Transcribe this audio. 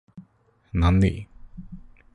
നന്ദി